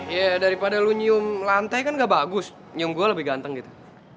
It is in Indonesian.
ya daripada lo nyium lantai kan gak bagus nyium gue lebih ganteng gitu